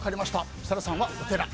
設楽さんはお寺。